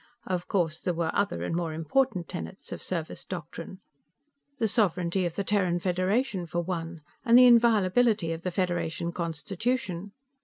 Of course, there were other and more important tenets of Service Doctrine. The sovereignty of the Terran Federation for one, and the inviolability of the Federation Constitution.